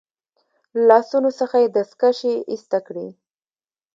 له لاسونو څخه يې دستکشې ایسته کړې.